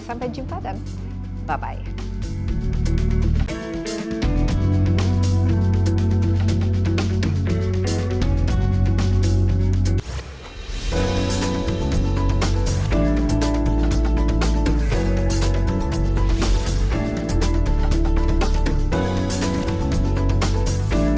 sampai jumpa dan bye bye